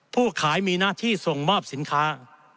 ผู้ขายมีหน้าที่ส่งมอบสินค้า